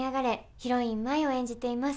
ヒロイン舞を演じています。